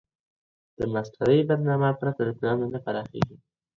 د ماسټرۍ برنامه پرته له پلانه نه پراخیږي.